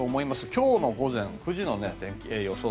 今日の午前９時の予想